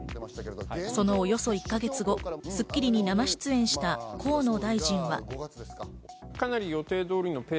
そのおよそ１か月後、『スッキリ』に生出演した河野大臣は。